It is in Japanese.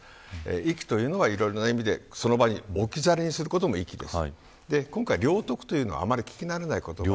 遺棄というのはいろいろな意味でその間に置き去りにすることも遺棄です。